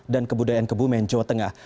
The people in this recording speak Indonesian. dan kebudayaan kebumen jawa tengah